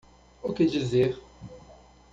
O que dizer